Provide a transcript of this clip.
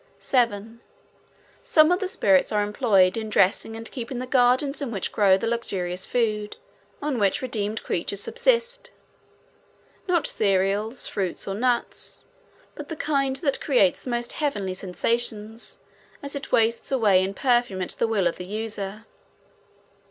7. Some of the spirits are employed in dressing and keeping the gardens in which grow the luxurious food on which redeemed creatures subsist: not cereals, fruits, or nuts, but the kind that creates the most heavenly sensations as it wastes away in perfume at the will of the user.